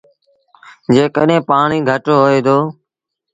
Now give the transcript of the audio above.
جيڪڏهين پآڻيٚ گھٽ هوئي دو۔